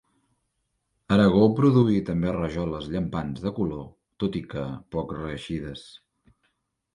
Aragó produí també rajoles llampants de color tot i que poc reeixides.